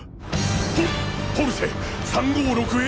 ポッポルシェ３５６Ａ！